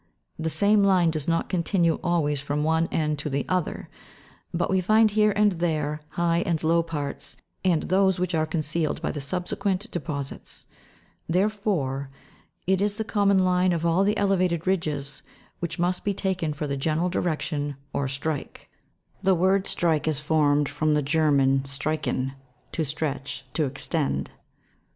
The same line does not continue always from one end to the other, but we find here and there high and low parts, and those which are concealed by subsequent deposits ; therefore, it is the common line of all the elevated ridges which must be taken for the general direction or strike (The word strike is formed from the German streichen, to stretch, to extend).